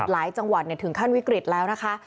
หลายจังหวัดถึงขั้นวิกฤตแล้วนะคะ